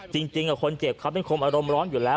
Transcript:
จริงคนเจ็บเขาเป็นคนอารมณ์ร้อนอยู่แล้ว